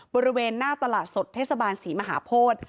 บริเวณหน้าตลาดสดเทศบาลศรีมหาโพธิ